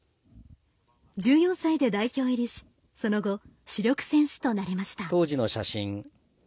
１４歳で代表入りしその後、主力選手となりました。